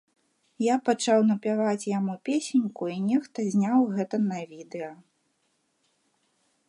Я пачаў напяваць яму песеньку, і нехта зняў гэта на відэа.